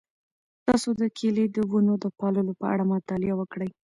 تاسو د کیلې د ونو د پاللو په اړه مطالعه وکړئ.